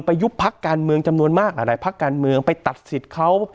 ไปยุบพลักษณ์การเมืองจำนวนมากละและอะไรพลักษณ์การเมืองไปตัดสิทธิ์เขา